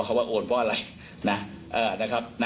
เขาว่าโอนเพราะอะไรนะครับ